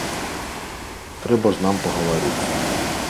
Трэба ж нам пагаварыць.